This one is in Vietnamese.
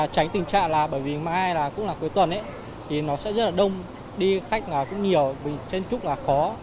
tránh tình trạng là bởi vì mai cũng là cuối tuần thì nó sẽ rất là đông đi khách cũng nhiều trên trúc là khó